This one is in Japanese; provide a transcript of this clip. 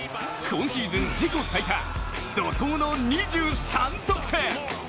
今シーズン自己最多、怒とうの２３得点。